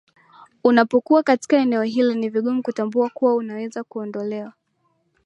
unapokuwa katika eneo hili ni vigumu kutambua kuwa unaweza kuondolewa